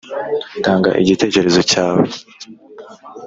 Tanga igitekerezo cyawe